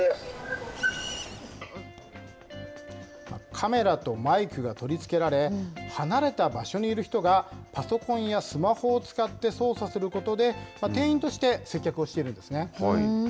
カメラとマイクが取り付けられ、離れた場所にいる人がパソコンやスマホを使って操作することで、店員として接客をしているんですね。